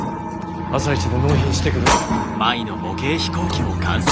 朝一で納品してくる。